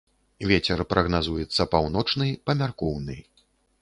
Вецер прагназуецца паўночны, памяркоўны.